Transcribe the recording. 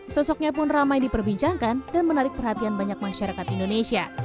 sosoknya pun ramai diperbincangkan dan menarik perhatian banyak masyarakat indonesia